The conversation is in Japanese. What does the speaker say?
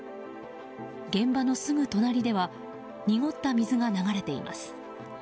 現場のすぐ隣では濁った水が流れています。